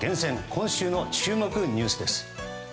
今週の注目ニュースです。